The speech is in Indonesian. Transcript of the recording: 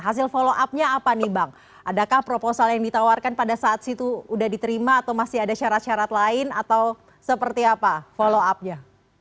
hasil follow up nya apa nih bang adakah proposal yang ditawarkan pada saat itu sudah diterima atau masih ada syarat syarat lain atau seperti apa follow up nya